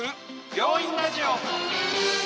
病院ラジオ！